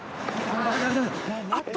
あっと。